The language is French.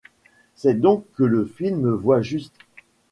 C'est donc que le film voit juste.